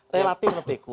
relatif lebih kuat